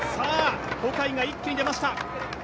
小海が一気に出ました。